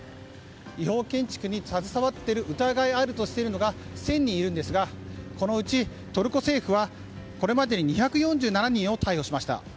違法建築に携わっている疑いがあるとしているのが１０００人いるんですがこのうち、トルコ政府はこれまでに２４７人を逮捕しました。